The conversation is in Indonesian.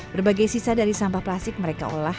berbagai sisa dari sampah plastik mereka untuk mengolah